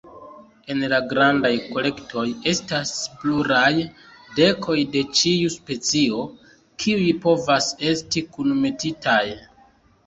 En la grandaj kolektoj, estas pluraj dekoj de ĉiu specio kiuj povas esti kunmetitaj.